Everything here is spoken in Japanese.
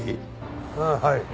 ああはい。